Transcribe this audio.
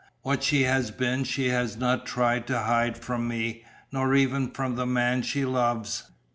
What she has been she has not tried to hide from me, nor even from the man she loves.